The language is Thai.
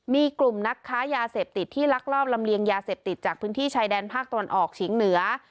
มีกลุ่มนักค้ายาเสพติดที่ลักลอบลำเลียงยาเสพติดจากพื้นที่ชายแดนภาคตะวันออกเฉียงเหนือ